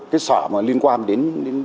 cái sở mà liên quan đến